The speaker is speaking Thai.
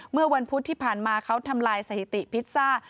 เมื่อวันพุธที่ผ่านมาเขาทำลายสถิติพิซซ่า